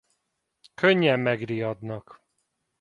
Könnyen megriadnak.